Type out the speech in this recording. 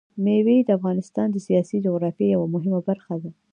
مېوې د افغانستان د سیاسي جغرافیه یوه مهمه برخه ده.